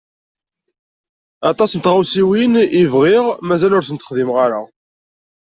Aṭas n tɣawsiwin i bɣiɣ mazal ur tent-xdimeɣ ara.